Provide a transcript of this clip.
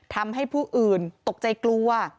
ทำให้ผู้อื่นตกใจกลัว